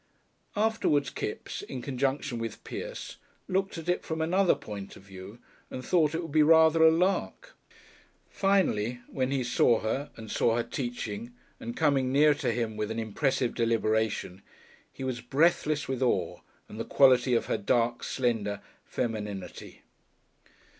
Afterwards Kipps, in conjunction with Pierce, looked at it from another point of view, and thought it would be rather a "lark." Finally, when he saw her, and saw her teaching, and coming nearer to him with an impressive deliberation, he was breathless with awe and the quality of her dark, slender femininity.